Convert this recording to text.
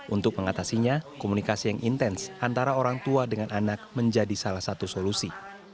untuk mengatasinya komunikasi yang intens antara orang tua dengan anak menjadi salah satu solusi